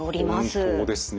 本当ですね。